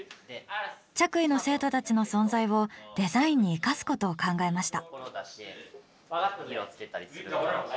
着衣の生徒たちの存在をデザインに生かすことを考えました。